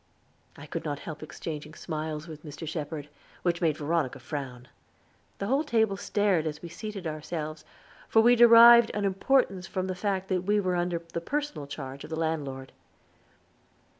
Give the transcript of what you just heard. I could not help exchanging smiles with Mr. Shepherd, which made Veronica frown. The whole table stared as we seated ourselves, for we derived an importance from the fact that we were under the personal charge of the landlord.